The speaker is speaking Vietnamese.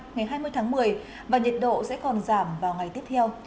ngày hai mươi tháng một mươi và nhiệt độ sẽ còn giảm vào ngày tiếp theo